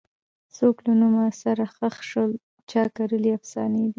څوک له نومه سره ښخ سول چا کرلي افسانې دي